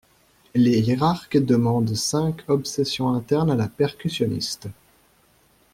Les hiérarques demandent cinq obsessions internes à la percussionniste.